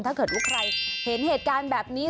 ถ้าเกิดว่าใครเห็นเหตุการณ์แบบนี้